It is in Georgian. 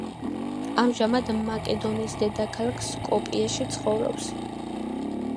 ამჟამად მაკედონიის დედაქალაქ სკოპიეში ცხოვრობს.